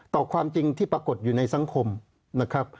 ต่อความจริงที่ปรากฏอยู่ในสังคมนะครับ